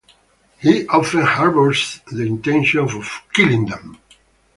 He often harbours the intention of killing them.